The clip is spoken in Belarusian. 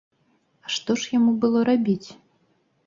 А што ж яму было рабіць?